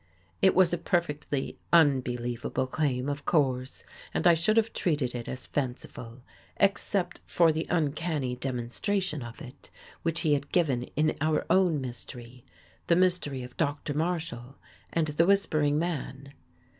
It was a perfectly unbe lievable claim, of course, and I should have treated it as fanciful, except for the uncanny demonstration of it which he had given in our own mystery — the mystery of Doctor Marshall and the Whispering Man.